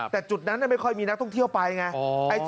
แต่จุดนั้นไม่ค่อยมีนักท่องเที่ยวไปไง